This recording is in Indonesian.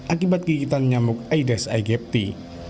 akibat gigitan nyamuk aedes aegypti